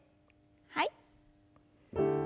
はい。